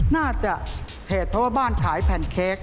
น่าจะเหตุเพราะว่าบ้านขายแพนเค้ก